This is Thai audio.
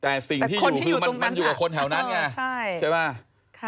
แต่สิ่งที่อยู่คือมันอยู่กับคนแถวนั้นไงใช่ไหม